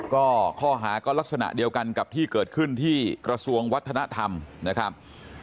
ก็ข้อหาก็ลักษณะเดียวกันกับที่เกิดขึ้นที่กระทรวงวัฒนธรรมนะครับ